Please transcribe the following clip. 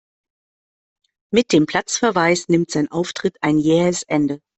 Mit dem Platzverweis nimmt sein Auftritt ein jähes Ende.